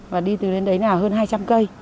và đi từ lên đấy là hơn hai trăm linh cây